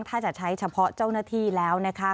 ถ้าจะใช้เฉพาะเจ้าหน้าที่แล้วนะคะ